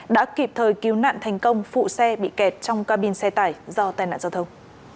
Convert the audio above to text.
đã kịp thời cứu nạn thành công phụ xe bị kẹt trong cabin xe tải do tai nạn giao thông